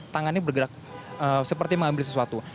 tangannya bergerak seperti mengambil sesuatu